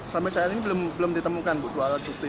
sampai saat ini belum ditemukan dua alat bukti